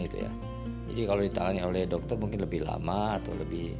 itu ya jadi kalau ditangani oleh dokter mungkin lebih lama atau lebih